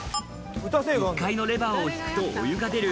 １階のレバーを引くと、お湯が出る。